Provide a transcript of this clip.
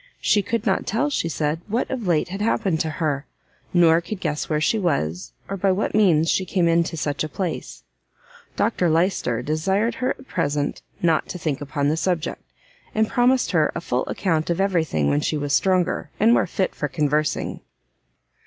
She could not tell, she said, what of late had happened to her, nor could guess where she was, or by what means she came into such a place. Dr Lyster desired her at present not to think upon the subject, and promised her a full account of everything, when she was stronger, and more fit for conversing.